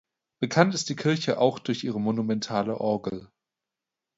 Bekannt ist die Kirche auch durch ihre monumentale Orgel.